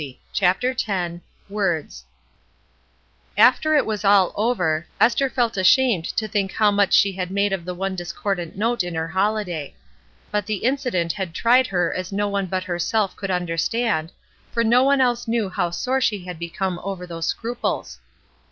CHAPTER X WORDS AFTER it was all over, Esther felt ashamed to think how much she had made of the one discordant note in her hohday. But the incident had tried her as no one but herself could understand, for no one else knew how sore she had become over those scruples.